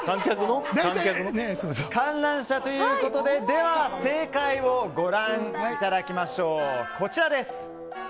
観覧車ということで正解をご覧いただきましょう。